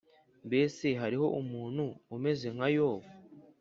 mbese hariho umuntu umeze nka yobu,